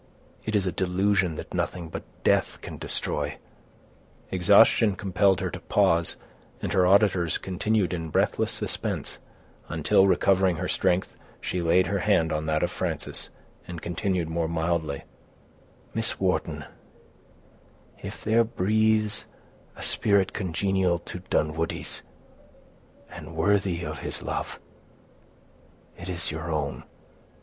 It is a delusion that nothing but death can destroy—" Exhaustion compelled her to pause, and her auditors continued in breathless suspense, until, recovering her strength, she laid her hand on that of Frances, and continued more mildly, "Miss Wharton, if there breathes a spirit congenial to Dunwoodie's, and worthy of his love, it is your own."